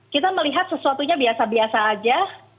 kita melihat sesuatunya biasa biasa aja